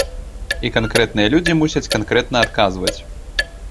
І канкрэтныя людзі мусяць канкрэтна адказваць.